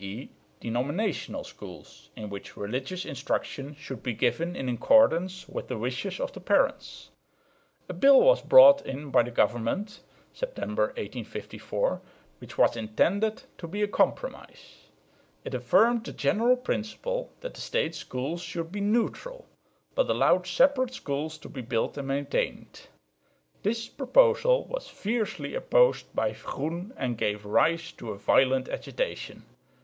e. denominational schools, in which religious instruction should be given in accordance with the wishes of the parents. A bill was brought in by the government (September, 1854) which was intended to be a compromise. It affirmed the general principle that the State schools should be "neutral," but allowed "separate" schools to be built and maintained. This proposal was fiercely opposed by Groen and gave rise to a violent agitation.